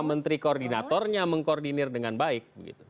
menteri koordinatornya mengkoordinir dengan baik